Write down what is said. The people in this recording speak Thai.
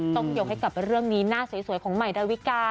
ต้องยกให้กับเรื่องนี้หน้าสวยของใหม่ดาวิกา